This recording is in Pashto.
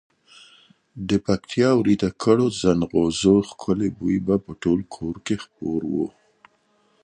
د پکتیا ورېته کړو زڼغوزیو ښکلی بوی به په ټول کور کې خپور وو.